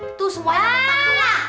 itu semua yang ngetahuin lah